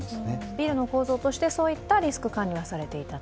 ビルの構造として、そういったリスク管理はされていたと。